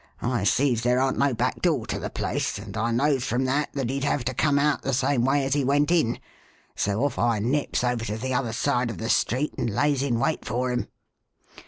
I sees there aren't no back door to the place, and I knows from that that he'd have to come out the same way as he went in, so off I nips over to the other side of the street and lays in wait for him.